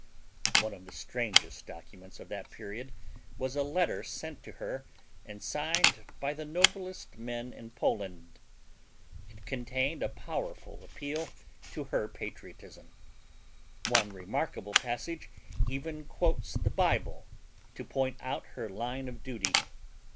One of the strangest documents of that period was a letter sent to her and signed by the noblest men in Poland. It contained a powerful appeal to her patriotism. One remarkable passage even quotes the Bible to point out her line of duty.